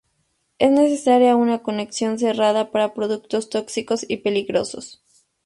Es necesaria una conexión cerrada para productos tóxicos y peligrosos.